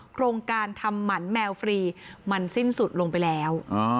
โครงการทำหมันแมวฟรีมันสิ้นสุดลงไปแล้ว